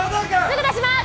すぐ出します